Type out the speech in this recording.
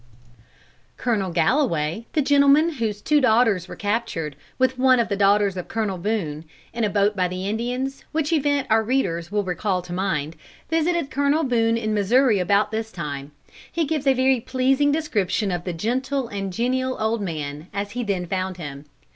Colonel Galloway, the gentleman whose two daughters were captured, with one of the daughters of Colonel Boone, in a boat by the Indians, which event our readers will recall to mind, visited Colonel Boone in Missouri about this time. He gives a very pleasing description of the gentle and genial old man, as he then found him.